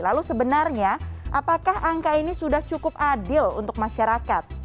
lalu sebenarnya apakah angka ini sudah cukup adil untuk masyarakat